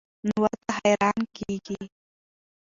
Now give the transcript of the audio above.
نو ورته حېران کيږي